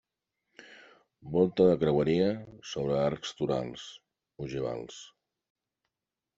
Volta de creueria sobre arcs torals ogivals.